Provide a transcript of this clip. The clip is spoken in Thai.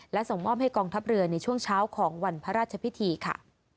และส่งมอบให้กองทัพเรือในช่วงเช้าของวันพระราชพิธีค่ะ